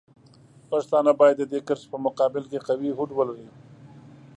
پښتانه باید د دې کرښې په مقابل کې قوي هوډ ولري.